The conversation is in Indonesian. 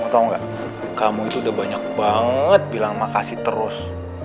kamu tahu nggak kamu itu udah banyak banget bilang makasih terus